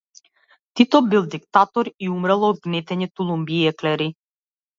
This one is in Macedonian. Тито бил диктатор и умрел од гнетење тулумби и еклери.